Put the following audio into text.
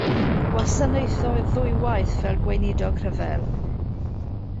Gwasanaethodd ddwywaith fel gweinidog rhyfel.